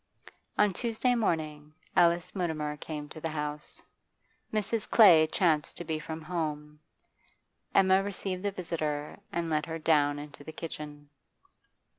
On Tuesday morning Alice Mutimer came to the house. Mrs. Clay chanced to be from home; Emma received the visitor and led her down into the kitchen.